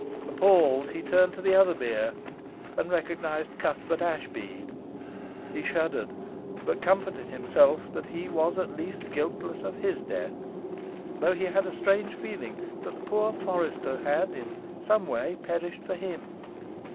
Appalled, he turned to the other bier, and recognised Cuthbert Ashbead. He shuddered, but comforted himself that he was at least guiltless of his death; though he had a strange feeling that the poor forester had in some way perished for him.